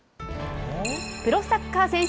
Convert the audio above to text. プロサッカー選手